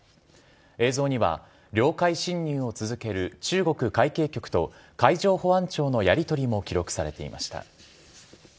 映像には領海侵入を続ける中国海警局と海上保安庁のやり取りも記録されていました。